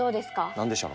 何でしょう？